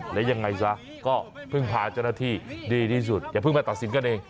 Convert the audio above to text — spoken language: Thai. และยังไงซะก็พึ่งพาเจ้าหน้าที่ดีที่สุดอย่าเพิ่งมาตัดสินกันเอง